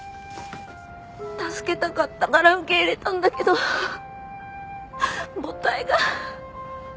助けたかったから受け入れたんだけど母体が。